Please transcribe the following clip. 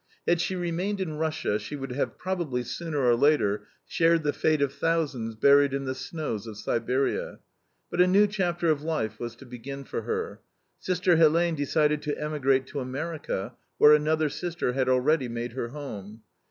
Had she remained in Russia, she would have probably sooner or later shared the fate of thousands buried in the snows of Siberia. But a new chapter of life was to begin for her. Sister Helene decided to emigrate to America, where another sister had already made her home.